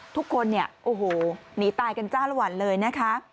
ทุกคนเนี่ยโอ้โหหนีตายกันจ้าละวันเลยนะคะ